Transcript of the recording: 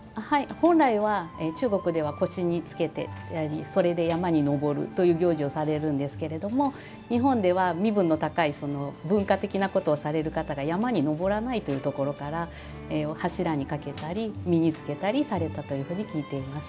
本来は中国では腰につけてそれで山に登るという行事をされるんですが日本では身分の高い文化的なことをされる方が山に登らないというところから柱にかけたり身につけたりされたと聞いています。